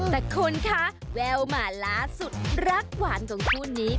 แต่คุณคะแววมาล่าสุดรักหวานของคู่นี้